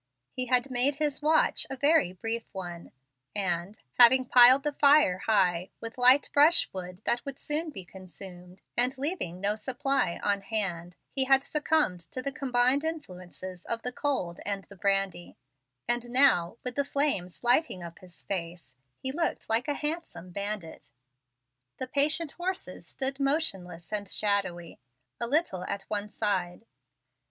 He had made his watch a very brief one, and, having piled the fire high with light brush wood that would soon be consumed, and leaving no supply on hand, he had succumbed to the combined influence of the cold and the brandy; and now, with the flames lighting up his face, he looked like a handsome bandit. The patient horses stood motionless and shadowy, a little at one side.